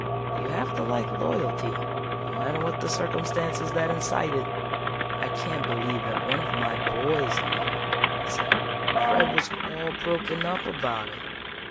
You have to like loyalty, no matter what the circumstances that incite it. "I can't believe that of one of my boys, Anita," I said. "Fred was all broken up about it."